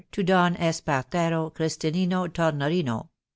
to Don Espartero Christi nino Tornorino.